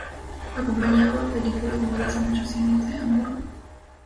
Acompañaba películas mudas e muchos cines de Hamburgo.